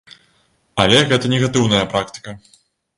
Але гэта негатыўная практыка.